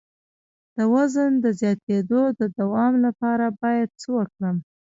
د وزن د زیاتیدو د دوام لپاره باید څه وکړم؟